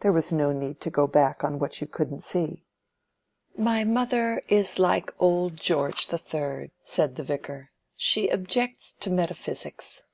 There was no need to go back on what you couldn't see. "My mother is like old George the Third," said the Vicar, "she objects to metaphysics."